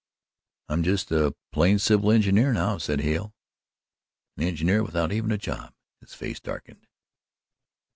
"I'm just a plain civil engineer, now," said Hale, "an engineer without even a job and " his face darkened.